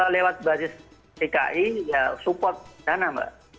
lewat basis dki ya support dana mbak